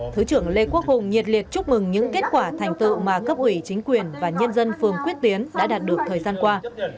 thứ trưởng lê quốc hùng nhiệt liệt chúc mừng những kết quả thành tựu mà cấp ủy chính quyền và nhân dân phường quyết tiến đã đạt được thời gian qua